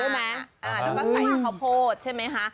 แล้วก็ใส่ข้าวโพดใช่ไหมคะ